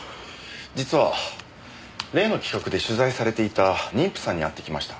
実は例の企画で取材されていた妊婦さんに会ってきました。